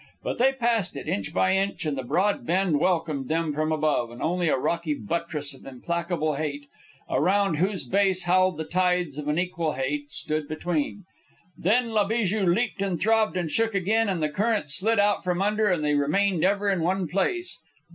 But they passed it, inch by inch, and the broad bend welcomed them from above, and only a rocky buttress of implacable hate, around whose base howled the tides of an equal hate, stood between. Then La Bijou leaped and throbbed and shook again, and the current slid out from under, and they remained ever in one place.